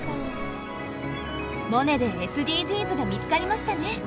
「モネ」でＳＤＧｓが見つかりましたね。